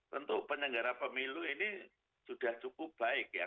tentu penyelenggara pemilu ini sudah cukup baik ya